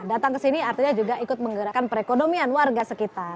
datang ke sini artinya juga ikut menggerakkan perekonomian warga sekitar